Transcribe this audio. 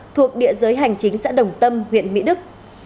thuộc địa giới hành chính xã đồng tâm huyện mỹ đức